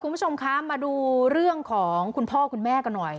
คุณผู้ชมคะมาดูเรื่องของคุณพ่อคุณแม่กันหน่อย